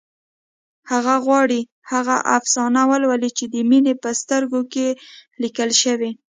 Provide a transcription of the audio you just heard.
هغه غواړي هغه افسانه ولولي چې د مينې په سترګو کې لیکل شوې